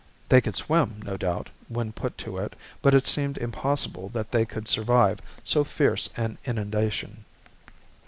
They could swim, no doubt, when put to it, but it seemed impossible that they could survive so fierce an inundation.